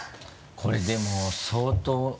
これでも相当。